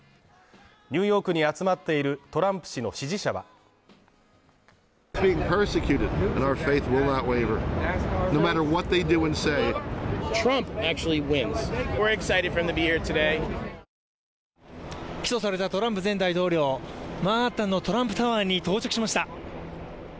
ニューヨークに集まっているトランプ氏の支持者は起訴されたトランプ前大統領マンハッタンのトランプタワーに到着しました。